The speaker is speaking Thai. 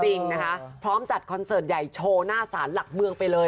จริงนะคะพร้อมจัดคอนเสิร์ตใหญ่โชว์หน้าศาลหลักเมืองไปเลย